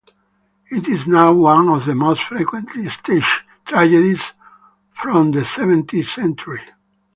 It is now one of the most frequently staged tragedies from the seventeenth century.